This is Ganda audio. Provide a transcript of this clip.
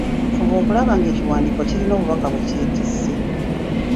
Fuba okulaba nga ekiwandiiko kirina obubaka bwe kyetisse.